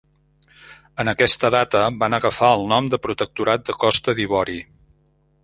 En aquesta data van agafar el nom de Protectorat de Costa d'Ivori.